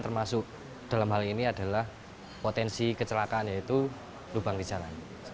termasuk dalam hal ini adalah potensi kecelakaan yaitu lubang di jalan